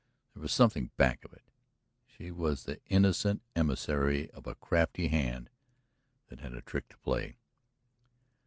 There was something back of it; she was the innocent emissary of a crafty hand that had a trick to play.